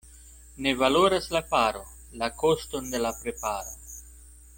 Ne valoras la faro la koston de la preparo.